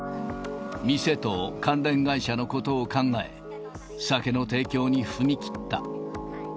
店と関連会社のことを考え、酒の提供に踏み切った。